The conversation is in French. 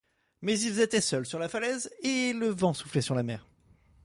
Mais ils étaient seuls sur la falaise, et le vent soufflait vers la mer.